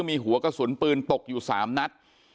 มีหัวกระสุนปืนตกอยู่๓นัด